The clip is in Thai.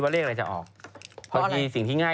ปลาหมึกแท้เต่าทองอร่อยทั้งชนิดเส้นบดเต็มตัว